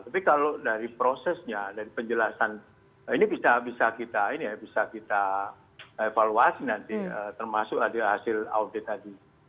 tapi kalau dari prosesnya dari penjelasan ini bisa kita evaluasi nanti termasuk ada hasil audit tadi